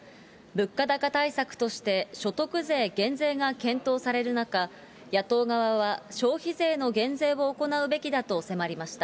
物価高対策として、所得税減税が検討される中、野党側は消費税の減税を行うべきだと迫りました。